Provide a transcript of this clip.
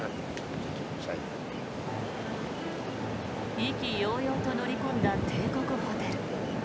意気揚々と乗り込んだ帝国ホテル。